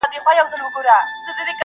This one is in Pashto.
زه به مي څنګه کوچۍ ښکلي ته غزل ولیکم -